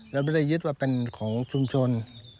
แล้วไม่ได้ยึดว่าเป็นของชุมชน